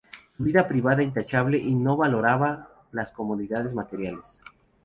Su vida privada intachable y no valoraba las comodidades materiales.